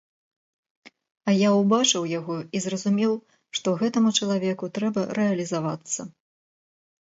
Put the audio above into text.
А я ўбачыў яго і зразумеў, што гэтаму чалавеку трэба рэалізавацца.